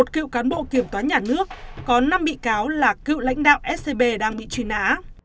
một cựu cán bộ kiểm toán nhà nước có năm bị cáo là cựu lãnh đạo scb đang bị truy nã